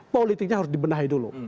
politiknya harus dibenahi dulu